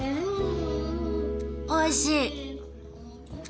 おいしい。